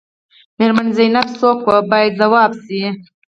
میرمن زینب څوک وه باید ځواب شي.